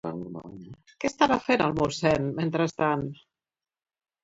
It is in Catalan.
Què estava fent el mossèn mentrestant?